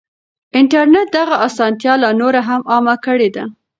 انټرنټ دغه اسانتيا لا نوره هم عامه کړې ده.